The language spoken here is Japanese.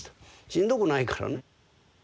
しんどくないからね。